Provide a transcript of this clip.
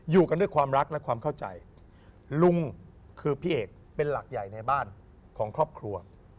อยู่กันด้วยความรักและความเข้าใจลุงคือพี่เอกเป็นหลักใหญ่ในบ้านของครอบครัว